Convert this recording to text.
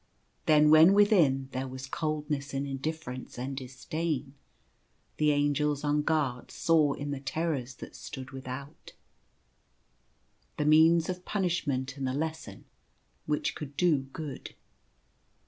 Then when within there was coldness and indifference and disdain, the Angels on guard saw in the terrors that stood without, the means of punishment and the lesson which could do good.